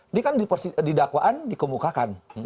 ini kan di dakwaan dikemukakan